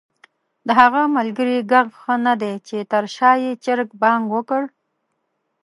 د هغه ملګري ږغ ښه ندی چې تر شا ېې چرګ بانګ وکړ؟!